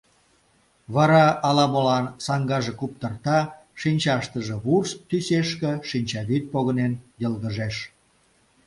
Вара ала-молан саҥгаже куптырта, шинчаштыже вурс тӱсешке шинчавӱд погынен йылгыжеш.